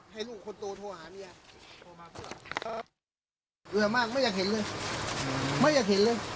ให้ลูกคนโตโทรหาเมียมากไม่อยากเห็นเลยไม่อยากเห็นเลย